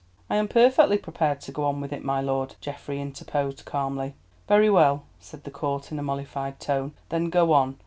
"I am perfectly prepared to go on with it, my lord," Geoffrey interposed calmly. "Very well," said the Court in a mollified tone, "then go on!